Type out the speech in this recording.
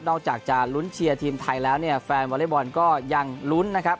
อกจากจะลุ้นเชียร์ทีมไทยแล้วเนี่ยแฟนวอเล็กบอลก็ยังลุ้นนะครับ